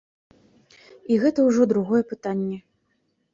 І гэта ўжо другое пытанне.